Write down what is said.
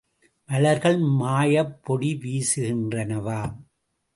மலர்கள் மாயப் பொடி வீசுகின்றனவாம்.